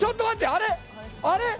あれ？